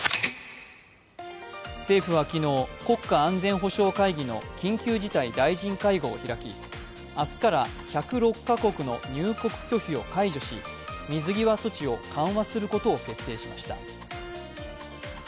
政府は昨日、国家安全保障会議の緊急事態大臣会合を開き明日から１０６カ国の入国拒否を解除し水際措置を緩和することを決定しました。